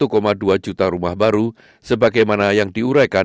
kita perlu memiliki perusahaan yang lebih penting